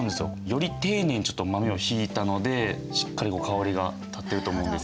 より丁寧に豆をひいたのでしっかり香りが立ってると思うんですよ。